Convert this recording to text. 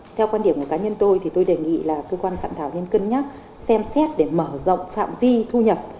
theo quan điểm của cá nhân tôi thì tôi đề nghị là cơ quan soạn thảo nên cân nhắc xem xét để mở rộng phạm vi thu nhập